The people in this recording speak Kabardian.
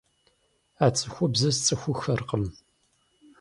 А цӀыхубзыр сцӀыхуххэркъым.